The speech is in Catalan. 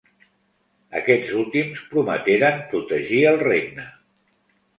Aquests últims prometeren protegir el regne.